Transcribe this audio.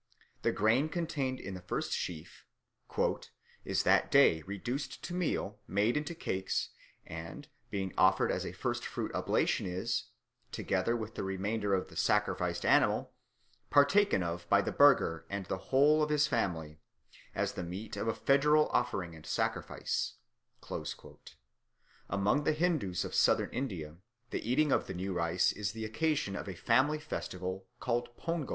The grain contained in the first sheaf "is that day reduced to meal, made into cakes, and, being offered as a first fruit oblation, is, together with the remainder of the sacrificed animal, partaken of by the Burgher and the whole of his family, as the meat of a federal offering and sacrifice." Among the Hindoos of Southern India the eating of the new rice is the occasion of a family festival called Pongol.